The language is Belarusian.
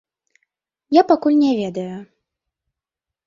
Я пакуль не ведаю.